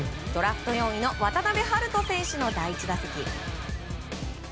ドラフト４位の渡部遼人選手の第１打席。